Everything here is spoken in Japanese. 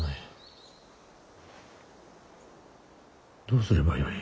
どうすればよい。